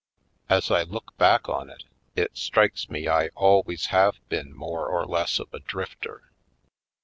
As I look back on it, it strikes me I always have been more or less of a drifter.